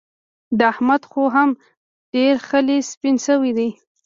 د احمد خو هم ډېر خلي سپين شوي دي.